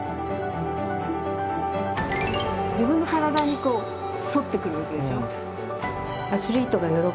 自分の体に沿ってくれるわけでしょ。